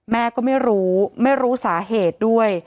แม่ก็ไม่รู้ไม่รู้สาเหตุด้วย